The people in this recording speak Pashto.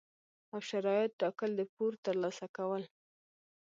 او شرایط ټاکل، د پور ترلاسه کول،